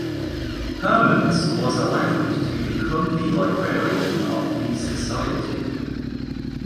Hermans was allowed to become the librarian of the society.